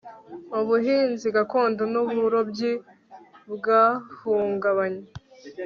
ubuhinzi gakondo n'uburobyi bwahungabanye